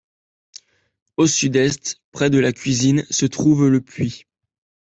Au sud-est, près de la cuisine, se trouve le puits.